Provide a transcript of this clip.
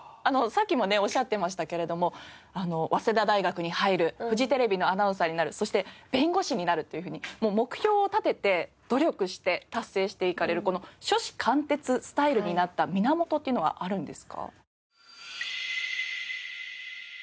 さっきもねおっしゃってましたけれども早稲田大学に入るフジテレビのアナウンサーになるそして弁護士になるというふうにもう目標を立てて努力して達成していかれるこの初志貫徹スタイルになった源っていうのはあるんですか？